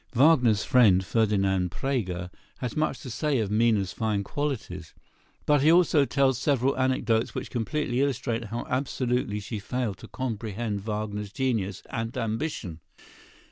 Wagner's friend, Ferdinand Praeger, has much to say of Minna's fine qualities. But he also tells several anecdotes which completely illustrate how absolutely she failed to comprehend Wagner's genius and ambition.